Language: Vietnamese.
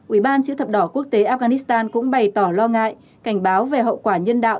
ubnd quốc tế afghanistan cũng bày tỏ lo ngại cảnh báo về hậu quả nhân đạo